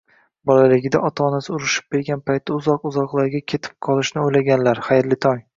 Bolaligida ota-onasi urushib bergan paytda, uzoq-uzoqlarga ketib qolishni o'ylaganlar, xayrli tong!